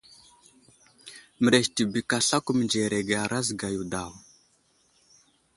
Mərez tibik aslako mənzerege a razga yo daw.